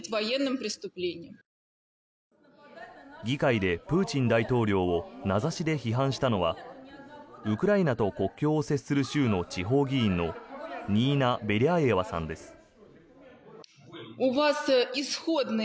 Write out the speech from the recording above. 議会でプーチン大統領を名指しで批判したのはウクライナと国境を接する州の地方議員のニーナ・ベリャーエワさんです。